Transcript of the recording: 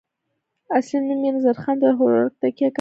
اصلي نوم یې نظرخان دی خو ورورک یې تکیه کلام دی.